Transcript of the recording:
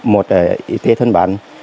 một y tế thân bản